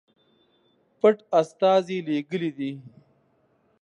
پټ استازي لېږلي دي.